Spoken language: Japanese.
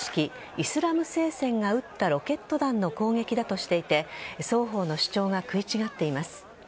イスラム聖戦が撃ったロケット弾の攻撃だとしていて双方の主張が食い違っています。